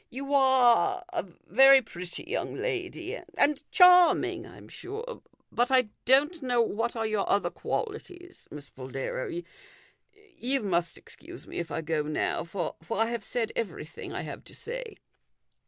You are a very pretty young lady, and charming, I am sure. But I don't know what are your other qualities, Miss Boldero. You must excuse me if I go now, for I have said everything I have to say."